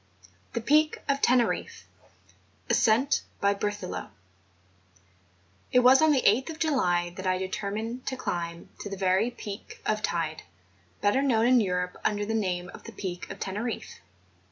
THE PEAK OF TENEEIFFE. ASCENT BY BERTHELOT. It was on the 8th of July that I determined to climb to the very Peak of Teyde, better known in Europe under the name of the Peak of Teneriffe.